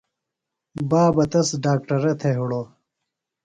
بابہ تس ڈاکٹرہ تھےۡ ہِڑوۡ۔